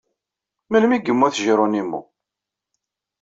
Melmi ay yemmut Geronimo?